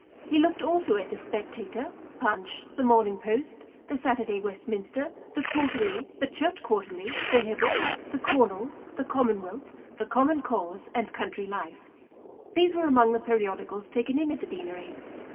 He looked also at the Spectator, Punch, the Morning Post, the Saturday Westminster, the Quarterly, the Church Quarterly, the Hibbert, the Cornhill, the Commonwealth, the Common Cause, and Country Life. These were among the periodicals taken in at the Deanery.